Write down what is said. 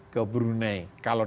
ke brunei kalau